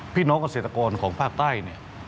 พี่น้องเกษตรกรของภาคใต้เนี่ย